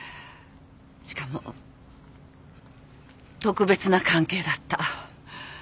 しかも特別な関係だった。